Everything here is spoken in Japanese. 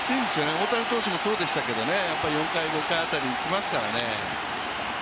大谷投手もそうでしたけど、４回、５回辺りにいきますからね。